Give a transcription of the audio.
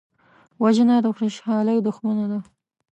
وژنه د خوشحالۍ دښمنه ده